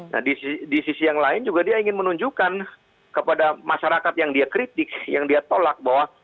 nah di sisi yang lain juga dia ingin menunjukkan kepada masyarakat yang dia kritik yang dia tolak bahwa